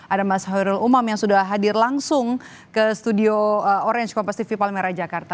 ada mas hurul umam yang sudah hadir langsung ke studio orange composite vipal merah jakarta